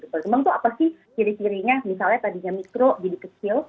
berkembang itu apa sih kiri kirinya misalnya tadinya mikro jadi kecil